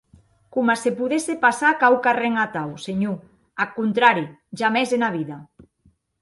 Coma se podesse passar quauquarren atau, senhor; ath contrari, jamès ena vida.